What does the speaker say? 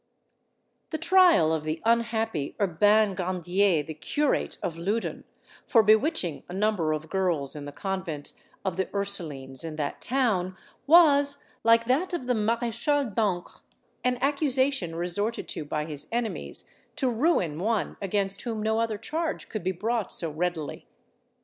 The trial of the unhappy Urbain Grandier, the curate of Loudun, for bewitching a number of girls in the convent of the Ursulines in that town, was, like that of the Maréchale d'Ancre, an accusation resorted to by his enemies to ruin one against whom no other charge could be brought so readily.